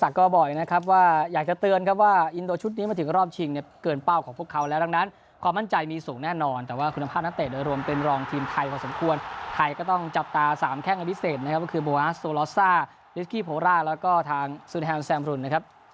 แต่ก็บอกอีกนะครับว่าอยากจะเตือนครับว่าอินโดชุดนี้มาถึงรอบชิงเนี่ยเกินเป้าของพวกเขาแล้วดังนั้นความมั่นใจมีสูงแน่นอนแต่ว่าคุณภาพนักเตะโดยรวมเป็นรองทีมไทยพอสมควรไทยก็ต้องจับตาสามแข้งอภิเศษนะครับก็คือโบฮัสโซลอสซ่าลิสกี้โพร่าแล้วก็ทางซูแฮมแซมรุนนะครับ